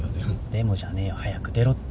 「でも」じゃねえよ早く出ろって。